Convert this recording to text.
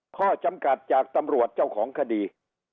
ข้อจำกัดจากตำรวจเจ้าของคดี